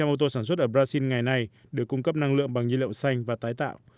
chín mươi ba ô tô sản xuất ở brazil ngày nay được cung cấp năng lượng bằng nhiên liệu xanh và tái tạo